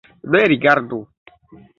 Ne rigardu!